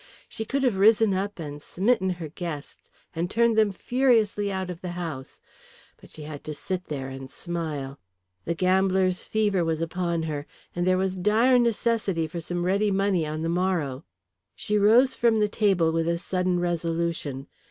She could have risen up and smitten her guests, and turned them furiously out of the house, but she had to sit there and smile. The gambler's fever was upon her, and there was dire necessity for some ready money on the morrow. She rose from the table with a sudden resolution.